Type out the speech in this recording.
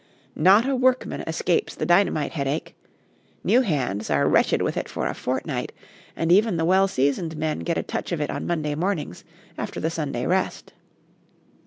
Not a workman escapes the dynamite headache; new hands are wretched with it for a fortnight, and even the well seasoned men get a touch of it on Monday mornings after the Sunday rest.